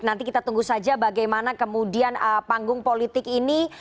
nanti kita tunggu saja bagaimana kemudian panggung politik ini